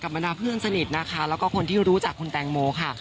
กับมนาพิวัลซะนิดแล้วก็คนที่รู้จักคุณแจ๋งโมค่ะ